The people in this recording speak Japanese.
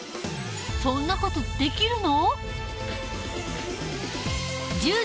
そんな事できるの？